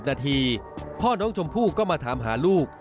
นาทีพ่อน้องชมพู่ก็มาถามหาลูก